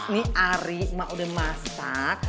ini ari emak udah masak